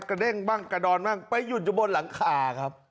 เด้งบ้างกระดอนบ้างไปหยุดอยู่บนหลังคาครับ